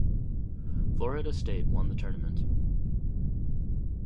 Florida State won the tournament.